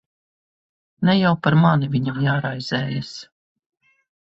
Ne jau par mani viņam jāraizējas.